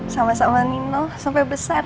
sama sama nino sampai besar